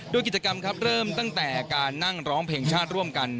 โดยกิจกรรมครับเริ่มตั้งแต่การนั่งร้องเพลงชาติร่วมกัน